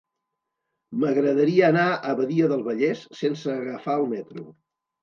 M'agradaria anar a Badia del Vallès sense agafar el metro.